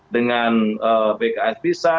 dengan bks bisa